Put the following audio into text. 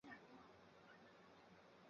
黑腹艾蛛为园蛛科艾蛛属的动物。